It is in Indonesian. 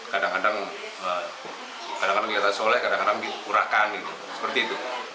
kadang kadang kiasas soleh kadang kadang diurahkan seperti itu